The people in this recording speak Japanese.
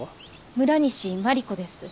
村西麻里子です。